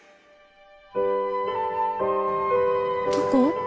どこ？